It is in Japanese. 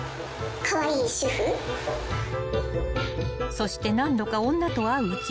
［そして何度か女と会ううちに］